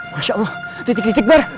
masya allah titik titik bar